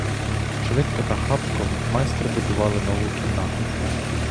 Швидко та хапком майстри будували нову кімнату.